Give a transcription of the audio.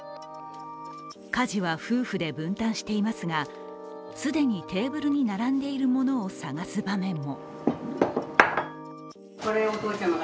家事は夫婦で分担していますが既にテーブルに並んでいるものを探す場面も。